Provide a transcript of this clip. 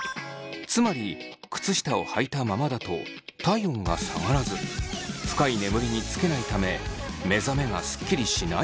つまりくつ下をはいたままだと体温が下がらず深い眠りにつけないため目覚めがスッキリしない可能性が。